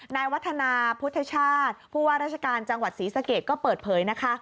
นายวัฒนาพุทธชาติผู้ว่าราชการจังหวัดศรีสะเกดก็เปิดเผยนะคะ